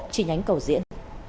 trình ánh cầu diễn